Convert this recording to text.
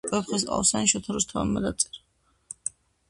ვეფხისტყაოსანი შოთა რუსთაველმა დაწერა.